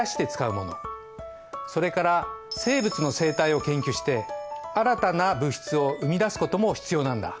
それから生物の生態を研究して新たな物質を生み出すことも必要なんだ。